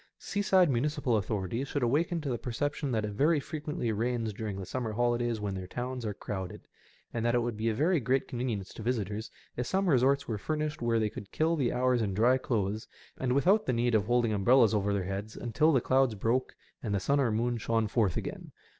Seaside municipal authorities should awaken to the perception that it very frequently rains during the summer holidays when their towns are crowded^ and that it would be a very great convenience to visitors if some resorts were furnished where they could kill the hours in dry clothes and without the need of holding umbrellas over their heads until the clouds broke and the sun or moon shone forth again.